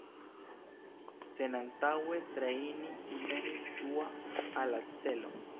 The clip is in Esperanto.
Sen antaŭe trejni li venis dua al la celo.